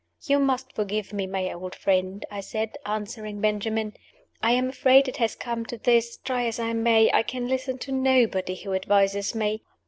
"You must forgive me, my old friend," I said, answering Benjamin. "I am afraid it has come to this try as I may, I can listen to nobody who advises me.